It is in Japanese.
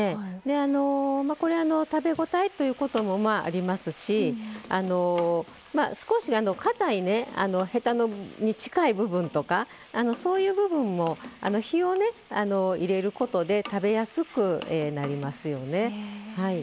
これ、食べ応えということもありますし少し、かたいヘタに近い部分とかそういう部分も火を入れることで食べやすくなりますよね。